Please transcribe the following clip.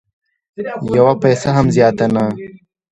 یوه پیسه هم زیاته نه